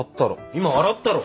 今笑ったろ！